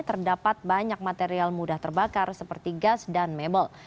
terdapat banyak material mudah terbakar seperti gas dan mebel